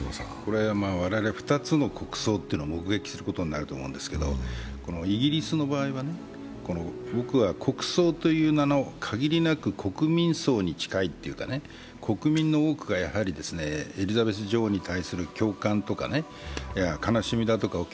我々、２つの国葬を目撃することになると思うんですけれども、イギリスの場合はね、僕は国葬という名の限りなく国民葬に近いというかね、国民の多くがエリザベス女王に対する共感とか悲しみだとかを